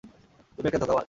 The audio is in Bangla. তুমি একটা ধোঁকাবাজ।